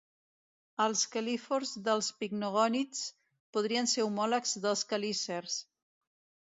Els quelífors dels picnogònids podrien ser homòlegs dels quelícers.